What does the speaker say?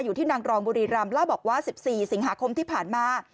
อยู่ที่นางรองบุรีรำเล่าบอกว่า๑๔สิงหาคมที่ผ่านมา